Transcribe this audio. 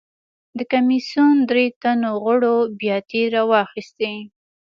د کمېسیون درې تنو غړو بیاتۍ راواخیستې.